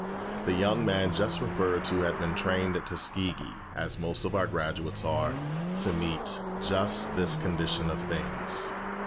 The young man just referred to had been trained at Tuskegee, as most of our graduates are, to meet just this condition of things.